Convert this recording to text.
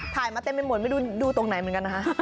มาเต็มไปหมดไม่รู้ดูตรงไหนเหมือนกันนะคะ